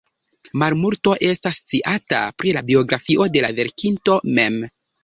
Malmulto estas sciata pri la biografio de la verkinto mem.